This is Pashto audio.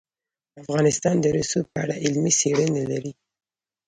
افغانستان د رسوب په اړه علمي څېړنې لري.